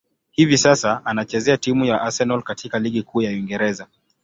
Hivi sasa, anachezea timu ya Arsenal katika ligi kuu ya Uingereza.